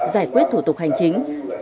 giải quyết thủ tục hành chính